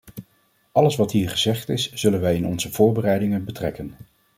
Alles wat hier gezegd is zullen wij in onze voorbereidingen betrekken.